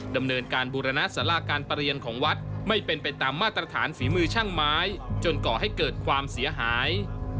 ดำเนินการบูรณสาราการประเรียนของวัดไม่เป็นไปตามมาตรฐานฝีมือช่างไม้จนก่อให้เกิดความเสียหาย